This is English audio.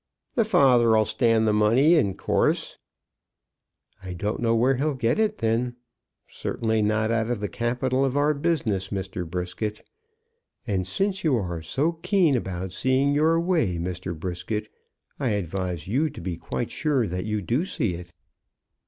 "The father 'll stand the money in course." "I don't know where he'll get it, then; certainly not out of the capital of our business, Mr. Brisket. And since you are so keen about seeing your way, Mr. Brisket, I advise you to be quite sure that you do see it."